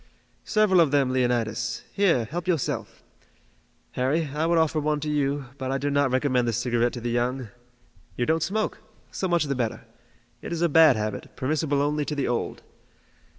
"Several of them, Leonidas. Here, help yourself. Harry, I would offer one to you, but I do not recommend the cigarette to the young. You don't smoke! So much the better. It's a bad habit, permissible only to the old.